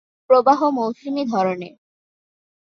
প্রবাহ মৌসুমি ধরনের।